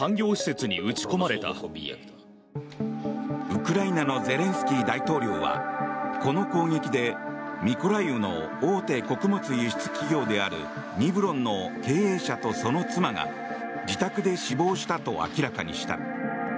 ウクライナのゼレンスキー大統領はこの攻撃でミコライウの大手穀物輸出企業であるニブロンの経営者とその妻が自宅で死亡したと明らかにした。